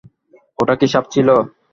ওটা কি সাপ ছিল?